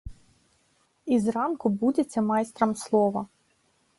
І зранку будзеце майстрам слова.